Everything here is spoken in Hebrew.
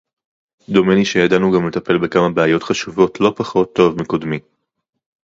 דומני שידענו גם לטפל בכמה בעיות חשובות לא פחות טוב מקודמי